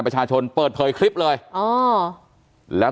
ใช่ค่ะ